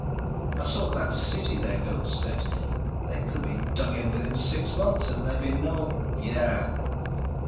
"I saw that city they built, Stet. They could be dug in within six months, and there'd be no—" "Yeah."